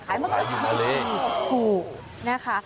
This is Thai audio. เขาขายที่มาเล